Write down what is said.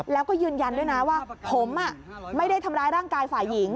แล้วก็ยืนยันด้วยนะว่าผมไม่ได้ทำร้ายร่างกายฝ่ายหญิง